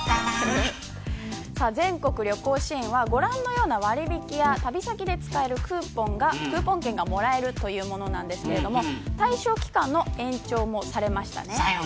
全国旅行支援はご覧のような割引や旅先で使えるクーポン券がもらえるというものなんですが対象期間の延長もされましたね。